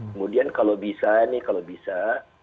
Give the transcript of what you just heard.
kemudian kalau bisa nih kalau bisa